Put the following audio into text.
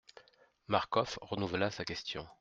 Marcof renouvela sa question.